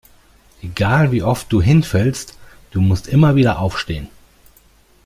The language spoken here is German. Egal wie oft du hinfällst, du musst immer wieder aufstehen.